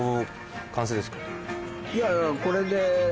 いやいやこれで。